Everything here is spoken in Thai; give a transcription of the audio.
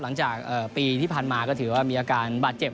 หลังจากปีที่ผ่านมาก็ถือว่ามีอาการบาดเจ็บ